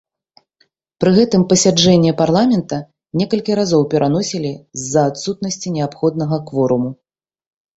Пры гэтым пасяджэнне парламента некалькі разоў пераносілі з-за адсутнасці неабходнага кворуму.